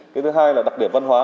cái thứ hai là đặc điểm văn hóa